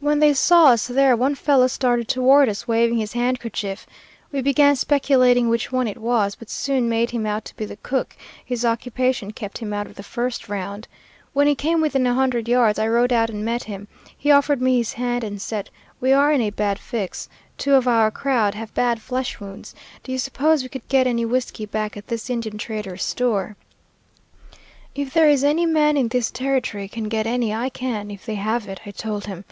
"When they saw us there, one fellow started toward us, waving his handkerchief. We began speculating which one it was, but soon made him out to be the cook; his occupation kept him out of the first round. When he came within a hundred yards, I rode out and met him. He offered me his hand and said, 'We are in a bad fix. Two of our crowd have bad flesh wounds. Do you suppose we could get any whiskey back at this Indian trader's store?' "'If there is any man in this territory can get any I can if they have it,' I told him.